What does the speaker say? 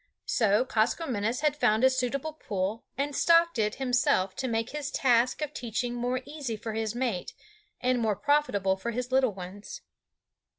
So Koskomenos had found a suitable pool and stocked it himself to make his task of teaching more easy for his mate and more profitable for his little ones.